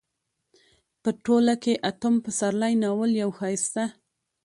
په ټوله کې اتم پسرلی ناول يو ښايسته